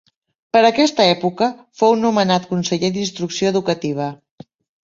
Per aquesta època fou nomenat conseller d'Instrucció educativa.